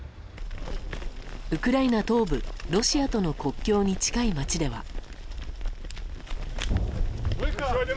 ウクライナ東部ロシアとの国境に近い街では。